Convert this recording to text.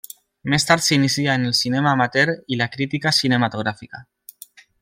Més tard s'inicia en el cinema amateur i la crítica cinematogràfica.